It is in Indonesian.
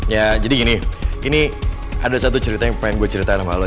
ya jadi gini ini ada satu cerita yang pengen gue ceritain sama allah